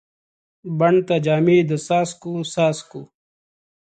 بڼ ته جامې د څاڅکو، څاڅکو